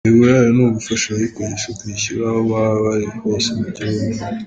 Intego yayo ni ugufasha abayikoresha kwishyura aho baba bari hose mu gihugu.